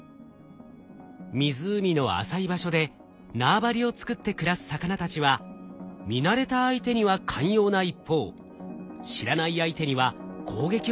湖の浅い場所で縄張りを作って暮らす魚たちは見慣れた相手には寛容な一方知らない相手には攻撃を加えることが分かっています。